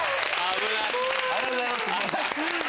ありがとうございます。